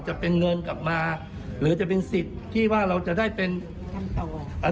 จะเป็นเงินกลับมาหรือจะเป็นสิทธิ์ที่ว่าเราจะได้เป็นทำต่อ